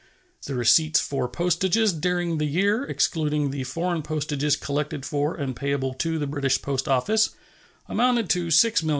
The receipts for postages during the year, excluding the foreign postages collected for and payable to the British post office, amounted to $6,345,747.